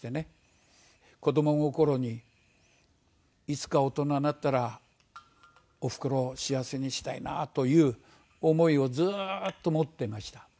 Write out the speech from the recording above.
子ども心にいつか大人になったらおふくろを幸せにしたいなという思いをずーっと持ってました。